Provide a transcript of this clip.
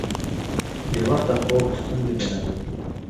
بې وخته خوب ستونزې پیدا کوي.